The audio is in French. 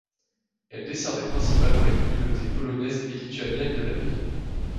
Elle desservait principalement les communautés polonaises et lituaniennes de la ville.